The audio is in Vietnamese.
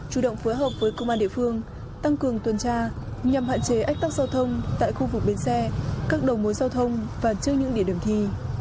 chủ động phối hợp với công an địa phương tăng cường tuần tra nhằm hạn chế ách tắc giao thông tại khu vực bến xe các đầu mối giao thông và trước những địa điểm thi